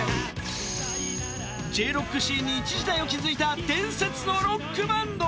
Ｊロックシーンに一時代を築いた伝説のロックバンド。